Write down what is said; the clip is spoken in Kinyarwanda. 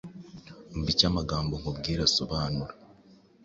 umva icyo amagambo nkubwira asobanura.